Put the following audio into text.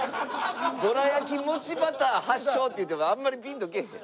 「どらやきもちバター発祥」って言ってもあんまりピンとけえへん。